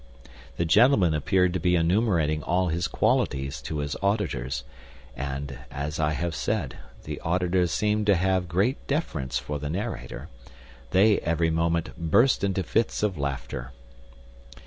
The gentleman appeared to be enumerating all his qualities to his auditors; and, as I have said, the auditors seeming to have great deference for the narrator, they every moment burst into fits of laughter.